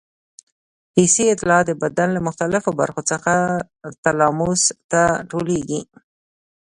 حسي اطلاعات د بدن له مختلفو برخو څخه تلاموس ته ټولېږي.